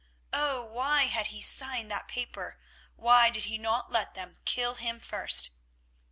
Oh! why had he signed that paper, why did he not let them kill him first?